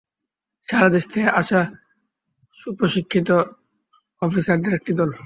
সারাদেশ থেকে আসা সুপ্রশিক্ষিত অফিসারদের একটি দল।